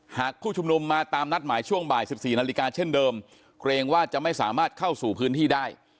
ผู้ชุมนุมมาตามนัดหมายช่วงบ่าย๑๔นาฬิกาเช่นเดิมเกรงว่าจะไม่สามารถเข้าสู่พื้นที่ได้